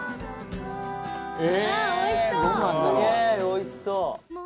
おいしそう！